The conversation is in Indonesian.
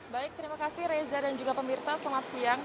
baik terima kasih reza dan juga pemirsa selamat siang